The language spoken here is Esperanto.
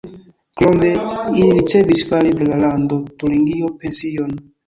Krome ili ricevis fare de la Lando Turingio pension.